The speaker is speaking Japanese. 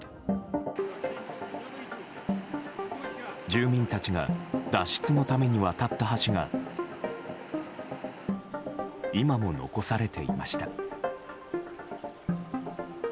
住民たちが脱出のために渡った橋が今も残されていました。